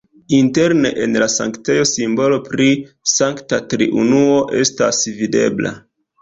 Interne en la sanktejo simbolo pri Sankta Triunuo estas videbla.